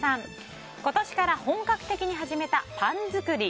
今年から本格的に始めたパン作り。